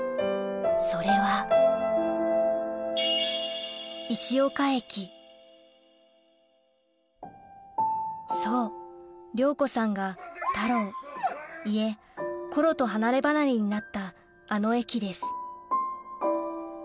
それはそう亮子さんがタローいえコロと離れ離れになったあの駅です